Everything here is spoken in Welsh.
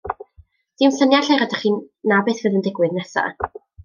Dim syniad lle rydych chi na beth fydd yn digwydd nesa.